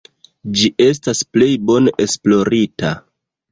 Ĝi estas plej bone esplorita.